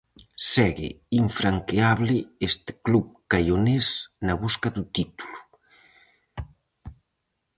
Segue infranqueable este club caionés na busca do título.